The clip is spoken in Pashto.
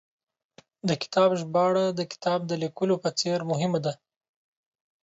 د کتاب ژباړه، د کتاب د لیکلو په څېر مهمه ده